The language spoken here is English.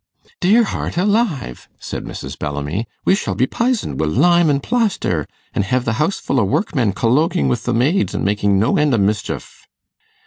'Dear heart alive!' said Mrs. Bellamy, 'we shall be pisoned wi' lime an' plaster, an' hev the house full o' workmen colloguing wi' the maids, an' makin' no end o' mischief.